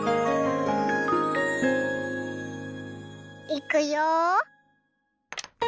いくよ。